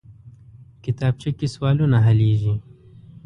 کتابچه کې سوالونه حلېږي